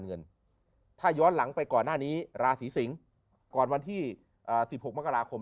เงินถ้าย้อนหลังไปก่อนหน้านี้ราศีสิงศ์ก่อนวันที่๑๖มกราคม